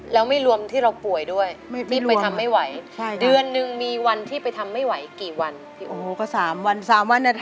แล้วไม่รวมที่เราป่วยด้วยชื่อไปทำไม่ไหว